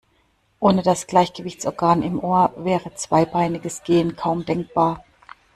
Ohne das Gleichgewichtsorgan im Ohr wäre zweibeiniges Gehen kaum denkbar.